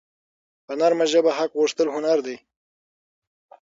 په نرمه ژبه حق غوښتل هنر دی.